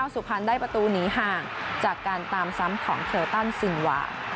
สุพันธ์ได้ประตูหนีห่างจากการตามซ้ำของเคยตั้นศิลว๑๙๗๔